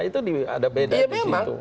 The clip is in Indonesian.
itu ada beda di situ